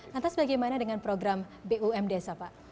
lantas bagaimana dengan program bum desa pak